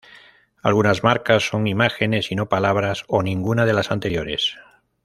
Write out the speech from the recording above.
Algunas marcas son imágenes y no palabras, o ninguna de las anteriores.